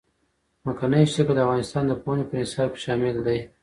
ځمکنی شکل د افغانستان د پوهنې په نصاب کې شامل دي.